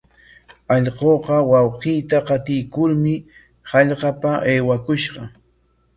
Allquuqa wawqiita qatikurmi hallqapa aywakushqa.